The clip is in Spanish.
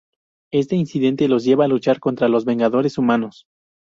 Este incidente los lleva a luchar contra los Vengadores humanos.